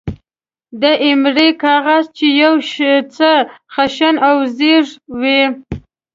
د ایمرۍ کاغذ، چې یو څه خشن او زېږ وي.